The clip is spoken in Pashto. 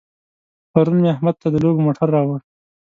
پرون مې احمد ته د لوبو موټر راوړ.